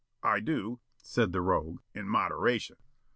"I do," said the rogue. "In moderation."